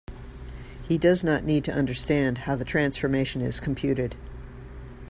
He does not need to understand how the transformation is computed.